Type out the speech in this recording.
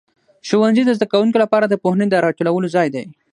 ښوونځي د زده کوونکو لپاره د پوهنې د راټولو ځای دی.